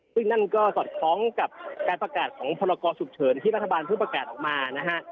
ซึ่งนั่นก็สอดคล้องกับการประกาศของพรกรฉุกเฉินที่รัฐบาลเพิ่งประกาศออกมานะฮะ